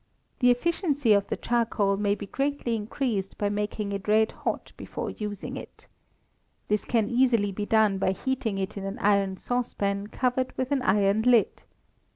The efficiency of the charcoal may be greatly increased by making it red hot before using it. This can easily be done by heating it in an iron saucepan covered with an iron lid.